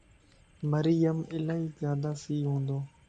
مريم الائي زياداسي ھوندو